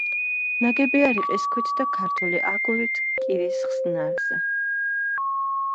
ნაგებია რიყის ქვით და ქართული აგურით კირის ხსნარზე.